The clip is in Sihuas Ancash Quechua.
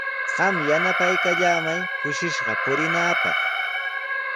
Qam yanapaykallamay kushishqa purinaapaq.